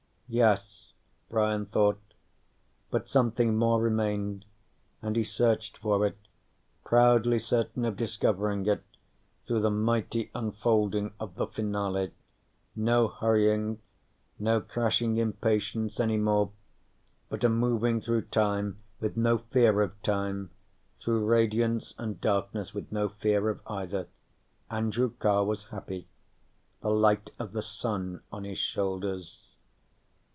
_ Yes, Brian thought, but something more remained, and he searched for it, proudly certain of discovering it, through the mighty unfolding of the finale. No hurrying, no crashing impatience any more, but a moving through time with no fear of time, through radiance and darkness with no fear of either. Andrew Carr was happy, the light of the Sun on his shoulders.